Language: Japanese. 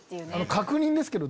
確認ですけど。